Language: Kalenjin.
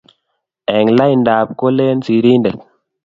Eng laindap kolen sirindet,